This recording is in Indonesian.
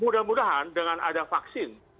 mudah mudahan dengan ada vaksin